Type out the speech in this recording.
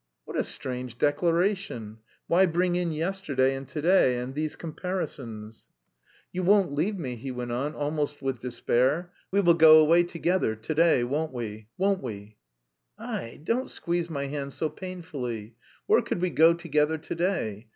"What a strange declaration! Why bring in yesterday and to day and these comparisons?" "You won't leave me," he went on, almost with despair; "we will go away together, to day, won't we? Won't we?" "Aie, don't squeeze my hand so painfully! Where could we go together to day?